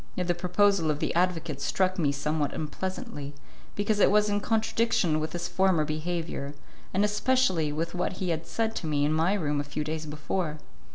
Yet the proposal of the advocate struck me somewhat unpleasantly, because it was in contradiction with his former behaviour, and especially with what he had said to me in my room a few days before.